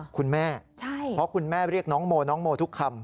คุณแม่เพราะคุณแม่เรียกน้องโมน้องโมทุกคำ